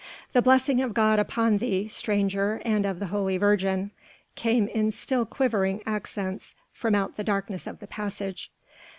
"The blessing of God upon thee, stranger, and of the Holy Virgin...." came in still quivering accents from out the darkness of the passage.